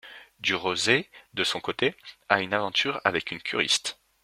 Durosay, de son côté, a une aventure avec une curiste.